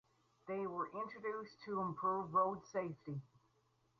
They were introduced to improve road safety.